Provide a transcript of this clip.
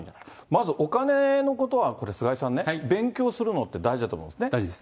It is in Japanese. まずお金のことはこれ、菅井さんね、勉強するのって大事だと思うんですね。